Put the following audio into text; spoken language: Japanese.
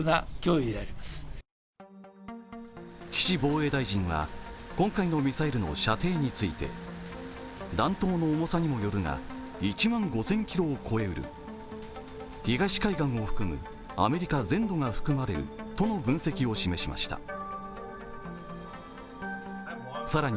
岸防衛大臣は、今回のミサイルの射程について、弾頭の重さにもよるが１万５０００ｋｍを超えうる東海岸を含むアメリカ全土が含まれるとの分析を示しました。